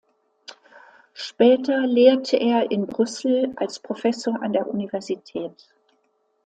Später lehrte er in Brüssel als Professor an der Universität.